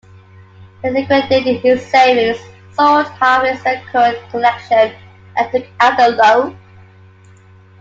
He liquidated his savings, sold half his record collection, and took out a loan.